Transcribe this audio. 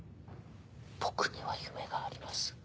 僕には夢があります。